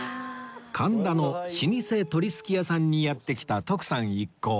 神田の老舗鳥すき屋さんにやって来た徳さん一行